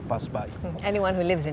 siapa saja yang tinggal di bali